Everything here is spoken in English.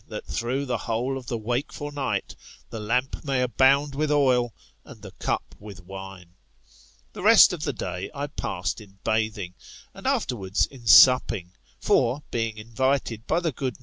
that through the whole of the wakeful night, the lamp may abound with oil, and the cup with wine. The rest of the day I passed in bathing, and afterwards in supping; for, being invited by the good.